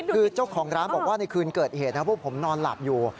คือเจ้าของร้านบอกว่าในคืนเกิดเหตุนะพวกผมนอนหลับอยู่